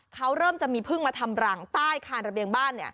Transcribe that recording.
เขาเริ่มจะมีพึ่งมาทำรังใต้คานระเบียงบ้าน